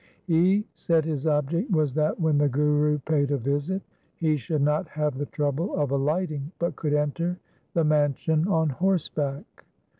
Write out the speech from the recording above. He said his object was that when the Guru paid a visit he should not have the trouble of alighting, but could enter the man sion on horseback.